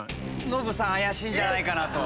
ノブさん怪しいんじゃないかと。